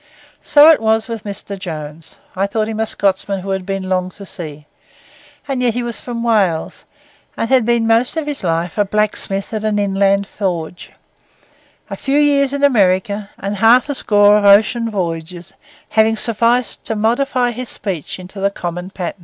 So it was with Mr. Jones. I thought him a Scotsman who had been long to sea; and yet he was from Wales, and had been most of his life a blacksmith at an inland forge; a few years in America and half a score of ocean voyages having sufficed to modify his speech into the common pattern.